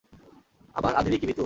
আমার আধিনি কি ভীতু?